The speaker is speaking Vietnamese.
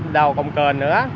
đầu công cơn nữa